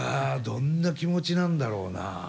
どんな気持ちなんだろうなあ。